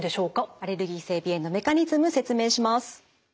アレルギー性鼻炎のメカニズム説明します。